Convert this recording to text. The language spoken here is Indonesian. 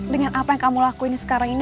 dengan apa yang kamu lakuin sekarang ini